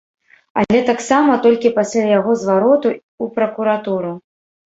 Але таксама толькі пасля яго звароту ў пракуратуру.